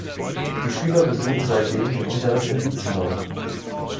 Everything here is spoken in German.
Die Schüler besuchen seit dem den Unterricht in Wietzendorf.